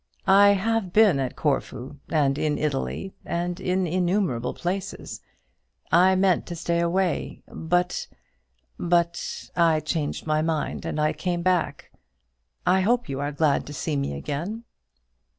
"I have been at Corfu, and in Italy, and in innumerable places. I meant to stay away; but but I changed my mind, and I came back. I hope you are glad to see me again."